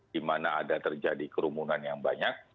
di mana ada terjadi kerumunan yang banyak